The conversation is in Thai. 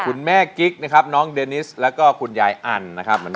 คุณแม่กิ๊กนะครับน้องเดนิสแล้วก็คุณยายอันนะครับ